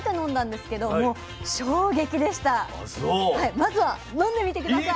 まずは飲んでみて下さい。